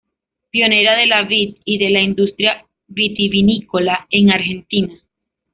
Pionera de la vid y de la industria vitivinícola en Argentina.